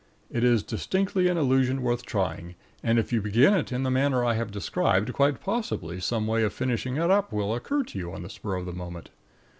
It is distinctly an illusion worth trying, and, if you begin it in the manner I have described, quite possibly some way of finishing it up will occur to you on the spur of the moment.